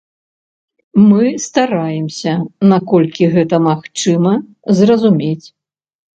Мы стараемся, наколькі гэта магчыма, зразумець.